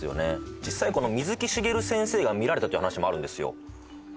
実際水木しげる先生が見られたという話もあるんですよへ